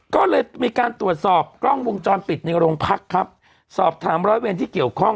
ก็เลยมีการตรวจสอบกล้องวงจรปิดในโรงพักครับสอบถามร้อยเวรที่เกี่ยวข้อง